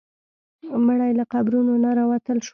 مړي له قبرونو نه راوتل شول.